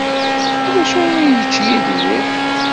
D acu ara ad yečč Yidir?